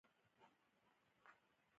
ازادي راډیو د کلتور حالت په ډاګه کړی.